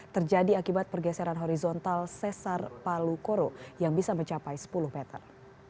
terjadi akibat pergeseran horizontal sesar palu koro yang bisa mencapai sepuluh meter